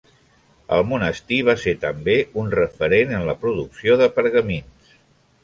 El monestir va ser també un referent en la producció de pergamins.